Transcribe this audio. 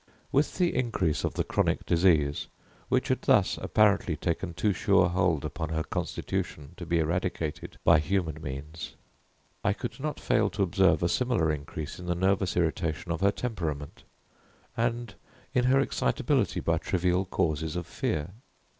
With the increase of the chronic disease, which had thus, apparently, taken too sure hold upon her constitution to be eradicated by human means, I could not fail to observe a similar increase in the nervous irritation of her temperament, and in her excitability by trivial causes of fear.